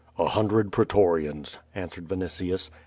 "A hundred pretorians,^' answered Vinitius.